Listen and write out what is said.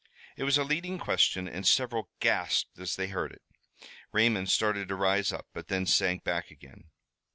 It was a leading question and several gasped as they heard it. Raymond started to rise up, but then sank back again.